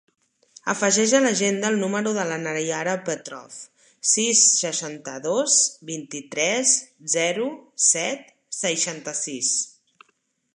Afegeix a l'agenda el número de la Naiara Petrov: sis, seixanta-dos, vint-i-tres, zero, set, seixanta-sis.